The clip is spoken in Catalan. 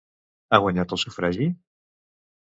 Ha guanyat el sufragi?